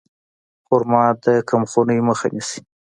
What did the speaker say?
خرما د کمخونۍ مخه نیسي.